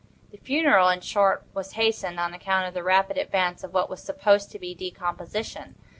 The funeral, in short, was hastened, on account of the rapid advance of what was supposed to be decomposition.